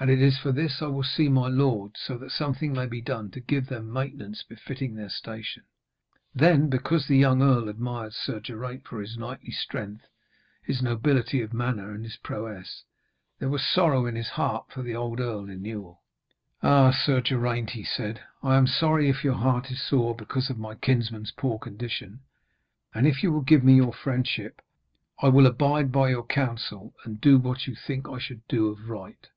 And it is for this I will see my lord, so that something may be done to give them maintenance befitting their station.' Then, because the young earl admired Sir Geraint for his knightly strength, his nobility of manner and his prowess, there was sorrow in his heart for the old Earl Inewl. 'Ah, Sir Geraint,' he said, 'I am sorry if your heart is sore because of my kinsman's poor condition; and if you will give me your friendship, I will abide by your counsel and do what you think I should do of right.'